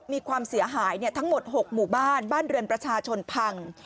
มีความเสียหายทั้งหมด๖หมู่บ้านบ้านเรือนประชาชนพัง